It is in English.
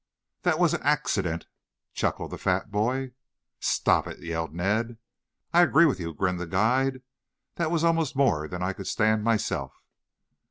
"That was an axe i dent," chuckled the fat boy. "Stop it!" yelled Ned. "I agree with you," grinned the guide. "That was almost more than I could stand myself."